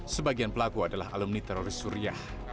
sebagian pelaku adalah alumni teroris suriah